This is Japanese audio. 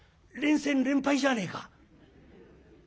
連戦連敗じゃねえか」。